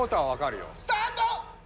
スタート！